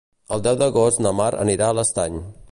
El deu d'agost na Mar anirà a l'Estany.